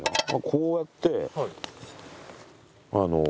こうやって。